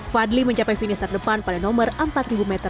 fadli mencapai finish terdepan pada nomor empat meter